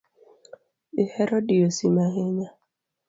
Ihero diyo simu ahinya.